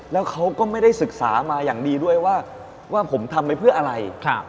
แล้วเขาก็ไม่ได้ศึกษามาอย่างดีด้วยว่าผมทำไปเพื่ออะไร